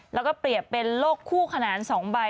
แล้วก็เปรียบเป็นโลกคู่ขนาน๒ใบ